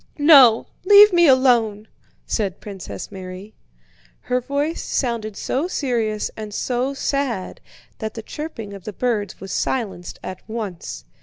"No, leave me alone," said Princess Mary. Her voice sounded so serious and so sad that the chirping of the birds was silenced at once.